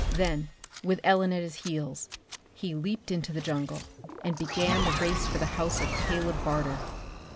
Then, with Ellen at his heels, he leaped into the jungle and began the race for the house of Caleb Barter.